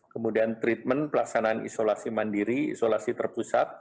kemudian treatment pelaksanaan isolasi mandiri isolasi terpusat